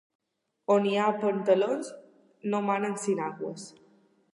On hi ha pantalons, no manen sinagües.